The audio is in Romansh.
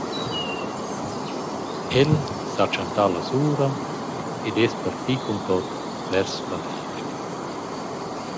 El s’ha tschantà lasura ed es parti cun tuot vers la fabrica.